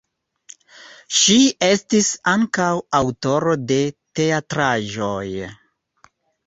Ŝi estis ankaŭ aŭtoro de teatraĵoj.